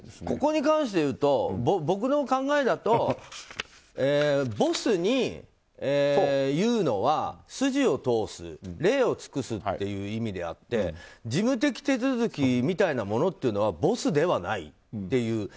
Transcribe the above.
ここに関しては僕の考えだとボスに言うのは、筋を通す礼を尽くすという意味であって事務的手続きみたいなものというのは、ボスではないという。